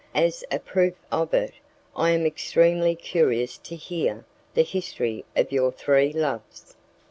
As a proof of it, I am extremely curious to hear the history of your three loves."